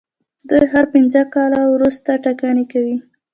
دوی هر پنځه کاله وروسته ټاکنې کوي.